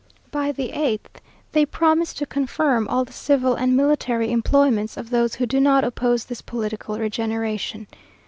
By the eighth, they promise to confirm all the civil and military employments of those who do not oppose this political regeneration.